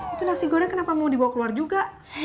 itu nasi goreng kenapa mau dibawa keluar juga